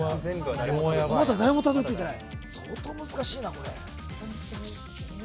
まだ誰もたどり着けていない。